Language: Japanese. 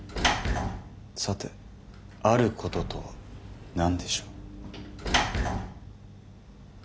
さてあることとは何でしょう？